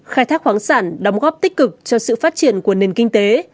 khai thác khoáng sản đóng góp tích cực cho sự phát triển của nền kinh tế